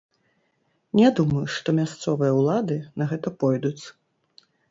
Не думаю, што мясцовыя ўлады на гэта пойдуць.